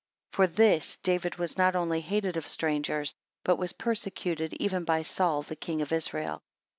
9 For this, David was not only hated of strangers, but was persecuted even by Saul the king of Israel.